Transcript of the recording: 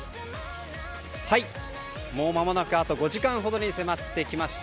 もうまもなくあと５時間ほどに迫ってきました。